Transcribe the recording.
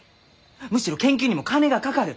むしろ研究にも金がかかる。